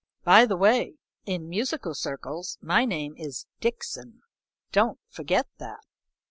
By the way, in musical circles my name is Dickson. Don't forget that."